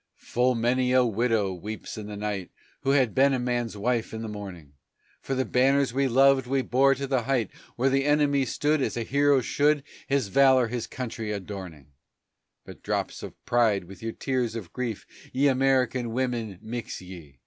Full many a widow weeps in the night Who had been a man's wife in the morning; For the banners we loved we bore to the height Where the enemy stood As a hero should, His valor his country adorning; But drops of pride with your tears of grief, Ye American women, mix ye!